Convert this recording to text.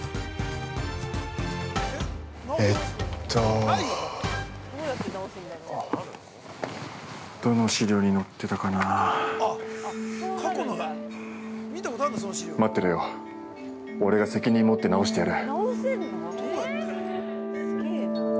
ええとどの資料に載ってたかな待ってろよ、俺が責任持って治してやる。